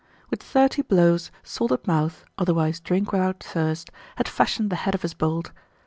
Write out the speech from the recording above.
With thirty blows, Salted Mouth, otherwise Drink without Thirst, had fashioned the head of his bolt.